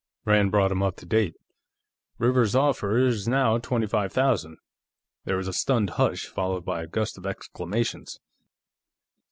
Rand brought him up to date. "Rivers's offer is now twenty five thousand." There was a stunned hush, followed by a gust of exclamations.